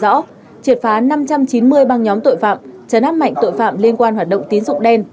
trên đó triệt phá năm trăm chín mươi băng nhóm tội phạm chấn áp mạnh tội phạm liên quan hoạt động tín dụng đen